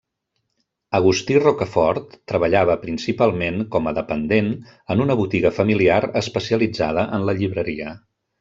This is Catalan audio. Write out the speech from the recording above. Agustí Rocafort treballava principalment com a dependent en una botiga familiar especialitzada en la llibreria.